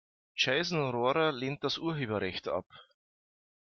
Jason Rohrer lehnt das Urheberrecht ab.